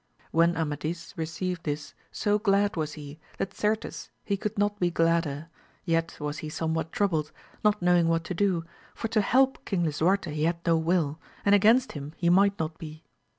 When Amadis received this so glad was he, that cartes he could not be gladder, yet was he somewhat troubled, not knowing what to do, for to help King Lisuarte he had no will, and against him he might not be.